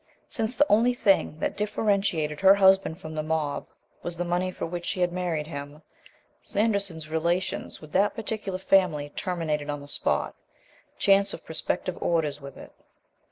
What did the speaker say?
Since the only thing that differentiated her husband from the mob was the money for which she had married him, Sanderson's relations with that particular family terminated on the spot, chance of prospective orders with it.